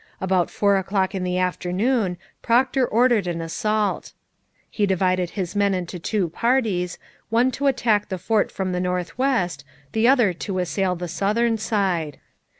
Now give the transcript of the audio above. About four o'clock in the afternoon Procter ordered an assault. He divided his men into two parties, one to attack the fort from the north west, the other to assail the southern side.